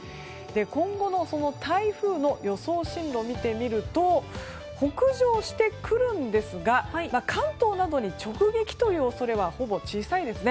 今後の台風の予想進路を見てみると北上してくるんですが関東などに直撃という恐れはほぼ小さいですね。